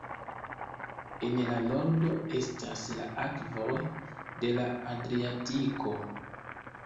En la nordo estas la akvoj de la Adriatiko.